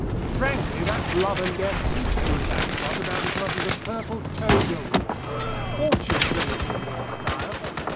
Frankly, that 'Love and Death' suits you, Bagshot, about as much as a purple toga would. Orchardson is in your style.